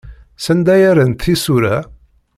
Sanda ay rrant tisura?